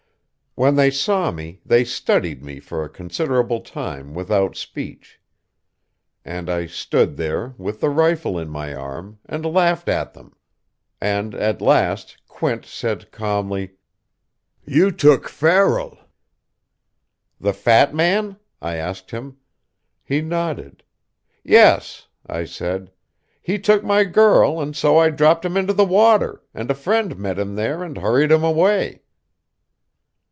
"When they saw me, they studied me for a considerable time without speech. And I stood there, with the rifle in my arm, and laughed at them. And at last, Quint said calmly: "'You took Farrell.' "'The fat man?' I asked him. He nodded. 'Yes,' I said. 'He took my girl, and so I dropped him into the water, and a friend met him there and hurried him away.'